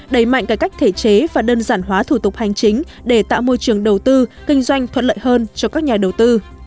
đẩy mạnh cải cách thể chế và đơn giản hóa thủ tục hành chính để tạo môi trường đầu tư kinh doanh thuận lợi hơn cho các nhà đầu tư